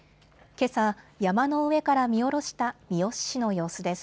けさ、山の上から見下ろした三次市の様子です。